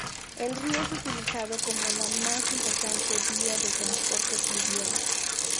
El río es utilizado como la más importante vía de transporte fluvial.